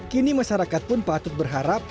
kini masyarakat pun patut berharap